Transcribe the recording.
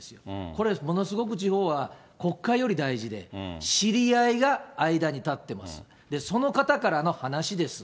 これ、ものすごく地方は国会より大事で、知り合いが間に立って、その方からの話です。